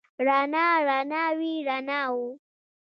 رڼا، رڼاوې، رڼاوو